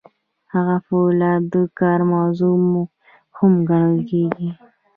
هلته فولاد د کار موضوع هم ګڼل کیږي.